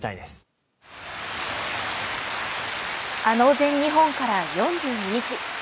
あの全日本から４２日。